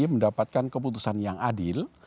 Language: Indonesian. mendapatkan keputusan yang adil